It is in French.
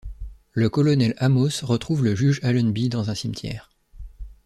Le colonel Amos retrouve le juge Allenby dans un cimetière.